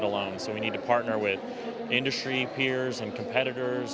jadi kami harus berpartner dengan kumpulan industri kompetitor